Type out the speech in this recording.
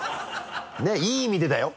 ねぇいい意味でだよ。